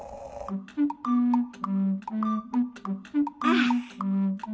ああ。